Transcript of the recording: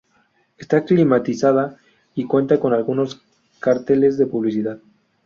Esta climatizada y cuenta con algunos carteles de publicidad.